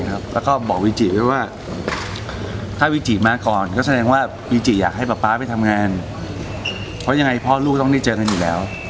พ่อลูกต้องได้เจอกันอยู่แล้ว